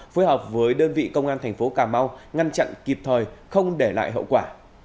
phối hợp với đơn vị công an thành phố cà mau ngăn chặn kịp thời không để lại hậu quả